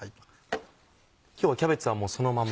今日はキャベツはもうそのまま？